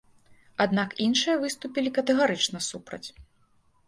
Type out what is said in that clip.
Аднак іншыя выступілі катэгарычна супраць.